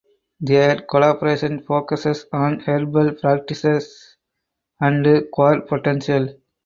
Their collaboration focuses on herbal practices and queer potentials.